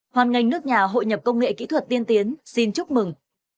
hoàn ngành nước nhà hội nhập công nghệ kỹ thuật tiên tiến xin chúc mừng